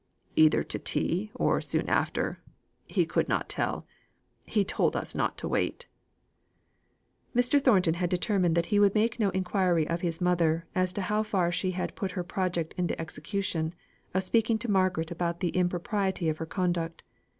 "Either to tea or soon after. He could not tell. He told us not to wait." Mr. Thornton had determined that he would make no inquiry of his mother as to how far she had put her project into execution of speaking to Margaret about the impropriety of her conduct.